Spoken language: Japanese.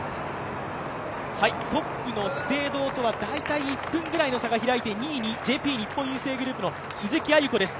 トップの資生堂とは大体１分ぐらいの差が開いて２位にＪＰ日本郵政グループの鈴木亜由子です。